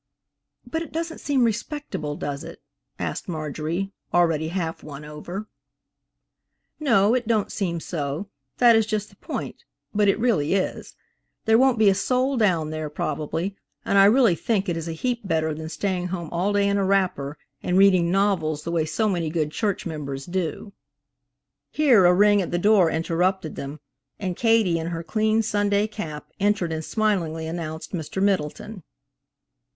"But it doesn't seem respectable, does it," asked Marjorie, already half won over. "No, it don't seem so, that is just the point, but it really is. There won't be a soul down there, probably, and I really think it is a heap better than staying home all day in a wrapper and reading novels the way so many good church members do." Here a ring at the door interrupted them, and Katie in her clean Sunday cap entered and smilingly announced Mr. Middleton.